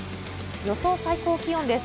予想最高気温です。